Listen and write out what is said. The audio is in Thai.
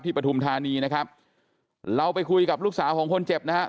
ปฐุมธานีนะครับเราไปคุยกับลูกสาวของคนเจ็บนะฮะ